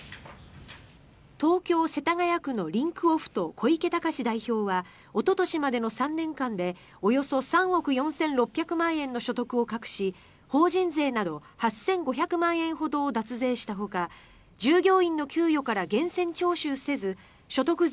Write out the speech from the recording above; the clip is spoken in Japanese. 東京・世田谷区のリンクオフと小池隆志代表はおととしまでの３年間でおよそ３億４６００万円の所得を隠し法人税など８５００万円ほどを脱税したほか従業員の給与から源泉徴収せず所得税